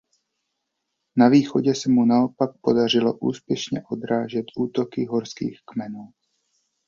Na východě se mu naopak podařilo úspěšně odrážet útoky horských kmenů.